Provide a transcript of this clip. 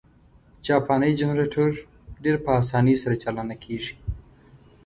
جاپانی جنرټور ډېر په اسانۍ سره چالانه کېږي.